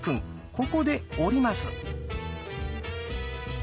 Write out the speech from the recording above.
ここで降ります。